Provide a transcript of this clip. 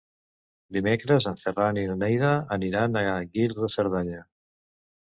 Dimecres en Ferran i na Neida aniran a Guils de Cerdanya.